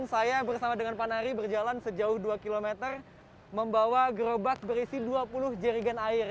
saya bersama dengan pak nari berjalan sejauh dua km membawa gerobak berisi dua puluh jerigen air